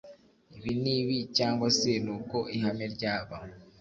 ibi n ibi cyangwa se n ubwo ihame ryaba